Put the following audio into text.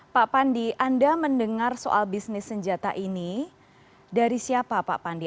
pak pandi anda mendengar soal bisnis senjata ini dari siapa pak pandi